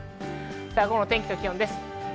午後の天気と気温です。